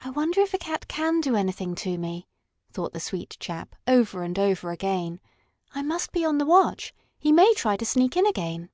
"I wonder if a cat can do anything to me," thought the sweet chap, over and over again. "I must be on the watch. He may try to sneak in again."